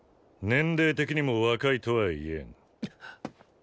年齢的にも若いとは言えん。